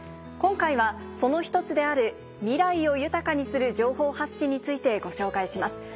今回はその１つである「未来を豊かにする情報発信」についてご紹介します。